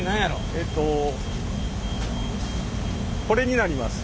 えっとこれになります。